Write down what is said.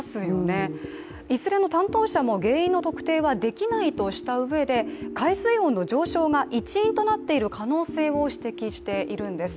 いずれも担当者は原因の特定は出来ないとしたうえで海水温の上昇が一因となっている可能性を指摘しているんです。